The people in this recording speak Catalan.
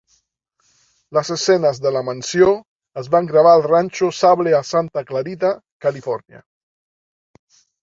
Les escenes de la mansió es van gravar al ranxo Sable a Santa Clarita, Califòrnia.